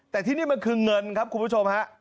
แต่ที่นี่มันคือเงินครับคุณผู้ชมฮะ